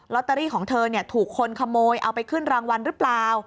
ตเตอรี่ของเธอถูกคนขโมยเอาไปขึ้นรางวัลหรือเปล่า